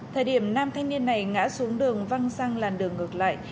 thời điểm nam thanh niên này ngã xuống đường văng sang làn đường ngược lại